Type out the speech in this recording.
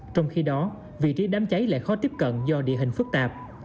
trong khi đó vị trí đám cháy lại khó tiếp cận do địa hình phức tạp